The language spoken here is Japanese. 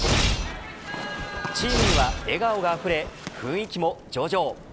チームには笑顔があふれ雰囲気も上々。